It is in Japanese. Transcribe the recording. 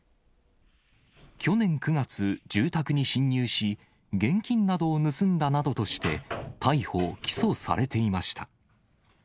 去年９月、住宅に侵入し、現金などを盗んだなどとして、逮捕・起訴されていました。